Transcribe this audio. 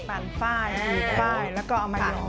ปั่นไฟ่อีกไฟ่แล้วก็เอามายอง